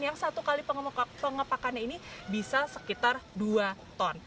yang satu kali pengepakannya ini bisa sekitar dua ton